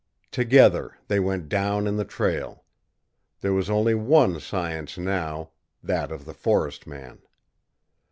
Together they went down in the trail. There was only one science now that of the forest man.